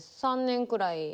３年くらい。